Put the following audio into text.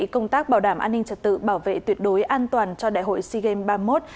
công tác bảo đảm an ninh trật tự bảo vệ tuyệt đối an toàn cho đại hội sea games ba mươi một